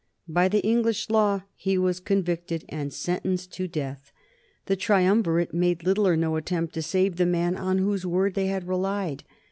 By the English law he was convicted and sentenced to death. The triumvirate made little or no attempt to save the man on whose word they had relied.